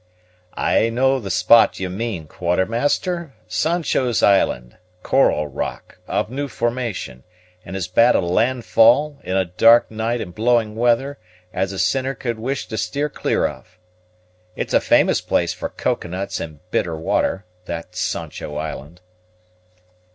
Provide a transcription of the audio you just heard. "I know the spot you mean, Quartermaster; Sancho's Island coral rock, of new formation, and as bad a landfall, in a dark night and blowing weather, as a sinner could wish to keep clear of. It's a famous place for cocoanuts and bitter water, that Sancho's Island."